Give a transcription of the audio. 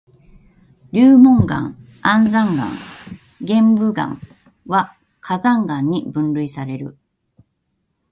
流紋岩、安山岩、玄武岩は火山岩に分類される。